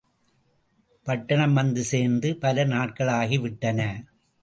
பட்டணம் வந்து சேர்ந்து பல நாட்களாகி விட்டன.